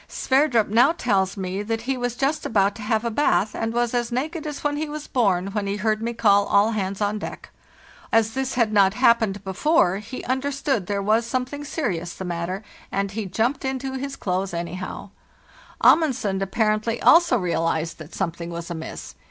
Sverdrup now tells me that he was just about to have a bath, and was as naked as when he was born, when he heard me call all hands on deck. As this had not hap pened before, he understood there was something seri ous the matter, and he jumped into his clothes anyhow. THE NEW YEAR, 1805 59 Amundsen, apparently, also realized that something was amiss.